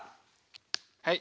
はい。